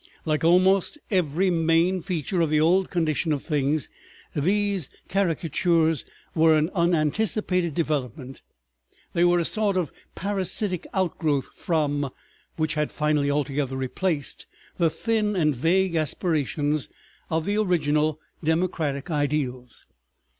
Like almost every main feature of the old condition of things these caricatures were an unanticipated development, they were a sort of parasitic outgrowth from, which had finally altogether replaced, the thin and vague aspirations of the original democratic ideals.